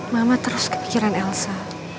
mama terus kepikiran elsa